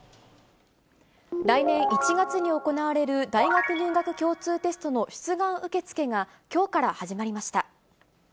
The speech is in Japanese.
来年１月に行われる大学入学共通テストの出願受け付けが、きょうから始まりました。